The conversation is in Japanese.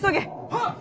「はっ！